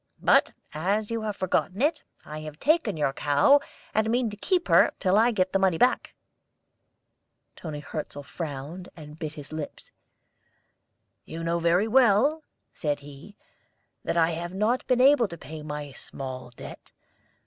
But as you have forgotten it, I have taken your cow, and mean to keep her till I get the money back." Toni Hirzel frowned and bit his lips. "You know very well," said he, "that I have not been able to pay my small debt.